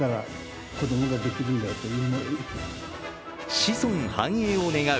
子孫繁栄を願う